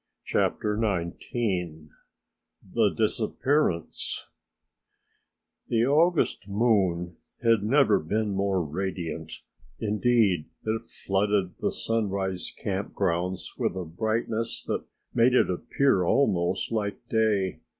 CHAPTER XIX THE DISAPPEARANCE The August moon had never been more radiant, indeed it flooded the Sunrise Camp grounds with a brightness that made it appear almost like day.